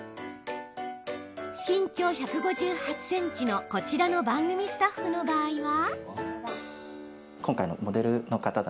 身長１５８ｃｍのこちらの番組スタッフの場合は。